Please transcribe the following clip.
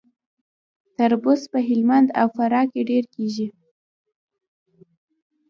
تربوز په هلمند او فراه کې ډیر کیږي.